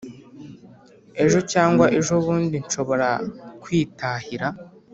ejo cyangwa ejobundi nshobora kwitahira